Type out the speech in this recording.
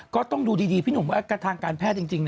ก็ต้องดูดีพี่หนุ่มว่าทางการแพทย์จริง